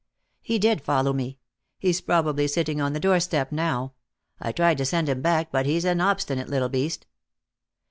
"He did follow me. He's probably sitting on the doorstep now. I tried to send him back, but he's an obstinate little beast."